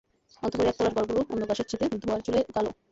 অন্তঃপুরে একতলার ঘরগুলো অন্ধকার, স্যাঁতসেঁতে, ধোঁয়ায় ঝুলে কালো।